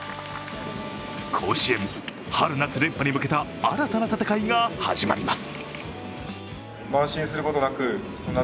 甲子園春夏連覇に向けた新たな戦いが始まります。